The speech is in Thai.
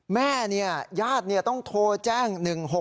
แม่ญาติต้องโทรแจ้ง๑๖๖